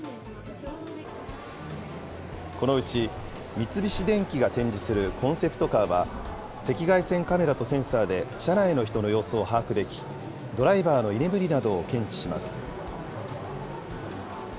このうち、三菱電機が展示するコンセプトカーは、赤外線カメラとセンサーで車内の人の様子を把握でき、ドライバーの居眠りなどを検知します。